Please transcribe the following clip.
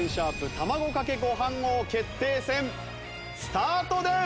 卵かけご飯王決定戦スタートです！